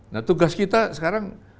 nah tugas kita sekarang